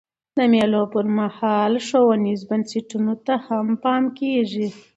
د مېلو پر مهال ښوونیزو بنسټونو ته هم پام کېږي.